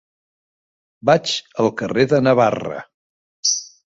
Vaig al carrer de Navarra.